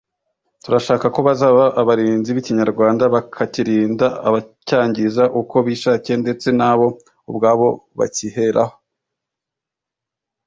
turashaka ko bazaba abarinzi b’Ikinyarwanda bakakirinda abacyangiza uko bishakiye ndetse na bo ubwabo bakiheraho